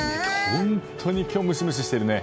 本当に今日、ムシムシしてるね。